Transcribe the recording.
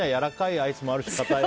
アイスもあるし。